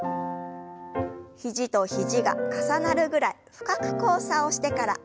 肘と肘が重なるぐらい深く交差をしてから横へ振りましょう。